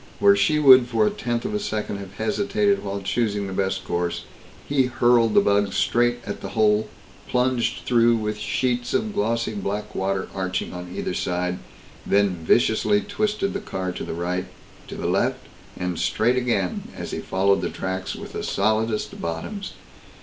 Where she would for a tenth of a second have hesitated while choosing the best course, he hurled the bug straight at the hole, plunged through with sheets of glassy black water arching on either side, then viciously twisted the car to the right, to the left, and straight again, as he followed the tracks with the solidest bottoms.